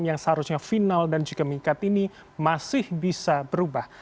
yang seharusnya final dan juga mengikat ini masih bisa berubah